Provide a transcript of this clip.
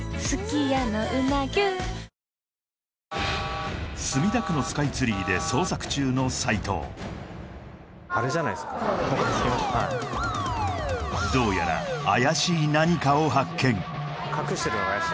はぁ墨田区のスカイツリーで捜索中の斎藤どうやら怪しい何かを発見